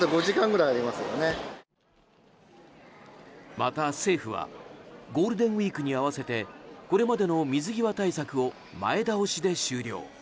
また、政府はゴールデンウィークに合わせてこれまでの水際対策を前倒しで終了。